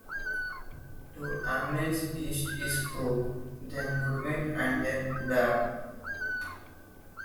To Hamlin's east is Cook, then Goodwin and then Woodard.